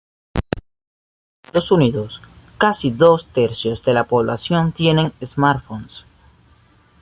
En los Estados Unidos, casi dos tercios de la población tienen smartphones.